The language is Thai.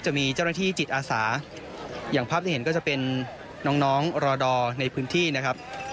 จะมีเจ้าหน้าที่จิตอาสาอย่างภาพที่เห็นก็จะเป็นน้องรอดอในพื้นที่นะครับ